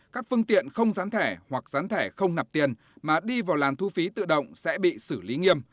các phương tiện không gián thẻ hoặc gián thẻ không nạp tiền mà đi vào làn thu phí tự động sẽ bị xử lý nghiêm